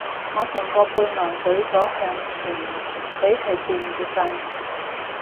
我成個背囊隊咗向前俾佢墊住瞓